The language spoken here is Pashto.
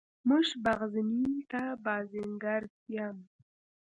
موږ بغزنین ته بازنګردیم.